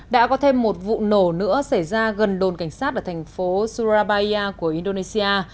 đã có thêm một vụ nổ nữa xảy ra gần đồn cảnh sát ở thành phố surabaya của indonesia